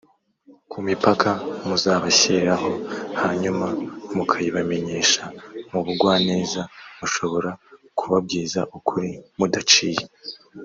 ku mipaka muzabashyiriraho hanyuma mukayibamenyesha mu bugwaneza. mushobora kubabwiza ukuri mudaciye